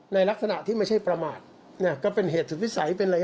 ในลักษณะที่ไม่ใช่ประมาทก็เป็นเหตุสุดวิสัยเป็นอะไร